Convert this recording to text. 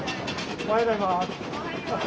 おはようございます。